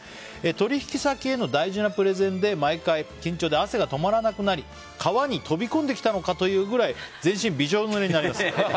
取引先への大事なプレゼンで毎回、緊張で汗が止まらなくなり川に飛び込んできたのかというくらい全身びしょ濡れになります。